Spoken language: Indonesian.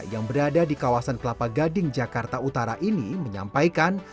yang berada di kawasan kelapa gading jakarta utara ini menyampaikan